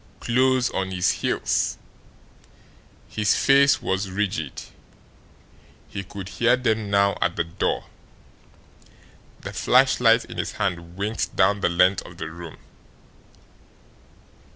Close on his heels! His face was rigid. He could hear them now at the door. The flashlight in his hand winked down the length of the room.